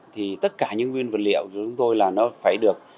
thì tất cả những nguyên vật liệu của chúng tôi là nó phải được